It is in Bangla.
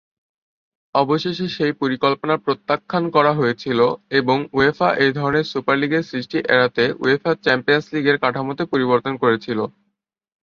অবশেষে সেই পরিকল্পনা প্রত্যাখ্যান করা হয়েছিল এবং উয়েফা এই ধরনের সুপার লীগের সৃষ্টি এড়াতে উয়েফা চ্যাম্পিয়নস লীগের কাঠামোতে পরিবর্তন করেছিল।